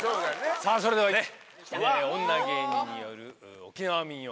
さぁそれではね女芸人による沖縄民謡